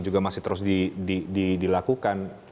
juga masih terus dilakukan